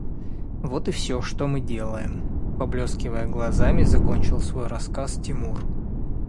– Вот и все, что мы делаем, – поблескивая глазами, закончил свой рассказ Тимур.